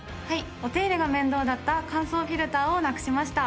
お手入れが面倒だった乾燥フィルターをなくしました。